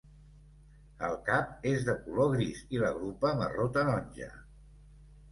El cap és de color gris i la gropa marró taronja.